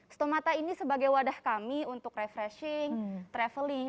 stomata ini sebagai wadah kami untuk refreshing traveling